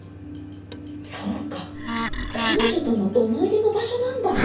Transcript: そうか彼女との思い出の場所なんだ！